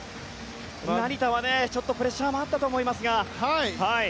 成田はちょっとプレッシャーもあったと思いますが。